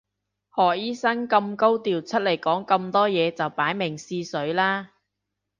何醫生咁高調出嚟講咁多嘢就擺明試水啦